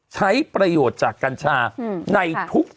ใช้ประโยชน์จากการชาร์ในทุกกรณี